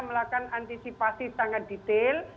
melakukan antisipasi sangat detail